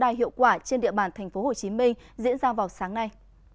đất đai hiệu quả trên địa bàn tp hcm diễn ra vào sáng nay